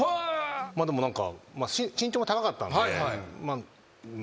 でも何か身長も高かったんで。